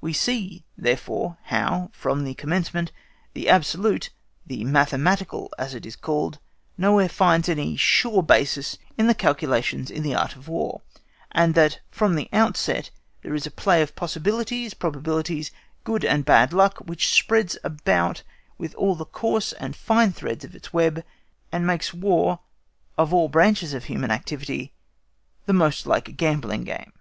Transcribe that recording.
We see, therefore, how, from the commencement, the absolute, the mathematical as it is called, nowhere finds any sure basis in the calculations in the Art of War; and that from the outset there is a play of possibilities, probabilities, good and bad luck, which spreads about with all the coarse and fine threads of its web, and makes War of all branches of human activity the most like a gambling game.